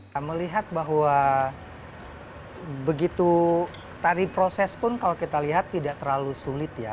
saya melihat bahwa begitu tari proses pun kalau kita lihat tidak terlalu sulit ya